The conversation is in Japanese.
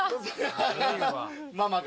ママが。